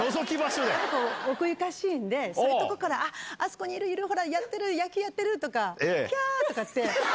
奥ゆかしいんで、そういう所から、あっ、あそこにいるいる、野球やってるとか、きゃー！とかって。